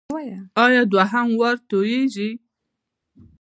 ایا دوهم وار توییږي؟